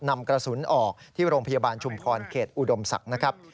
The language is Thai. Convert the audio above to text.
นำกระสุนออกที่โรงพยาบาลชุมพรเขตอุดมศักดิ์นะครับ